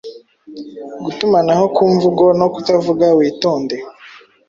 gutumanaho kumvugo no kutavuga, witonde